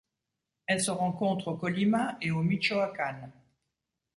Elle se rencontre au Colima et au Michoacán.